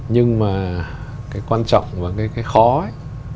nhưng mà cái quan trọng và cái khó ấy